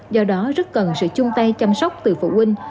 do đó rất cần sự chung tay chăm sóc từ phụ huynh